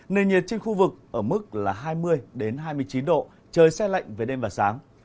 nền nhiệt trên khu vực ở mức là hai mươi hai mươi chín độ trời xe lạnh về đêm và sáng